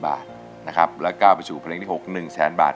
๘๐๐๐๐บาทนะครับแล้วก็ไปสู่เพลงที่๖๑๐๐๐บาท